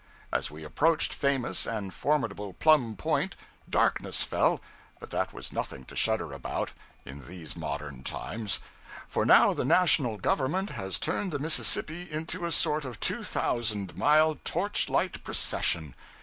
As we approached famous and formidable Plum Point, darkness fell, but that was nothing to shudder about in these modern times. For now the national government has turned the Mississippi into a sort of two thousand mile torchlight procession.